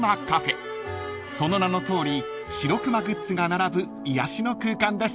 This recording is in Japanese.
［その名のとおりシロクマグッズが並ぶ癒やしの空間です］